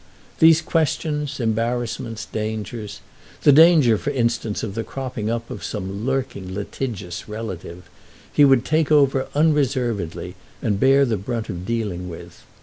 These questions, embarrassments, dangers—the danger, for instance, of the cropping up of some lurking litigious relative—he would take over unreservedly and bear the brunt of dealing with.